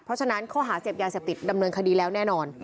เพราะฉะนั้นข้อหาเสพยาเสพติดดำเนินคดีแล้วแน่นอน